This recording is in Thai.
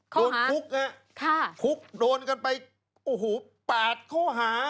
โค้งหาค่ะคุกโดนกันไปโอ้โฮ๘โค้งหา